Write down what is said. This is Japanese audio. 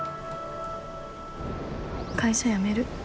会社辞める。